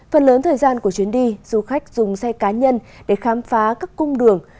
phần lớn thời gian của chuyến đi du khách dùng xe cá nhân để khám phá các cung đường